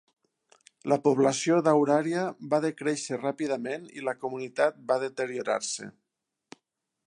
La població d'Auraria va decréixer ràpidament i la comunitat va deteriorar-se.